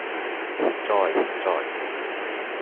善哉善哉